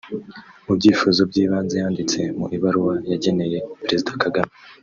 Mu byifuzo by’ibanze yanditse mu ibaruwa yageneye Perezida Kagame